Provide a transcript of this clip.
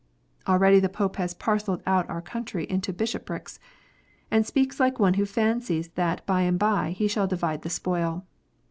Already the Pope has parcelled out our country into bishoprics, and speaks like one who fancies that by and by he shall divide the spoil.